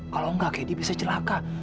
kalau enggak kayak dia bisa celaka